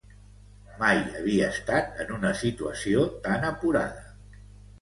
Mai havia estat en una situació tan apurada.